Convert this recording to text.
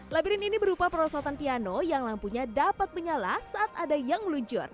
labirin ini berupa perosotan piano yang lampunya dapat menyala saat ada yang meluncur